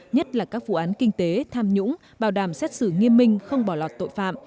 nhất là các vụ án kinh tế tham nhũng bảo đảm xét xử nghiêm minh không bỏ lọt tội phạm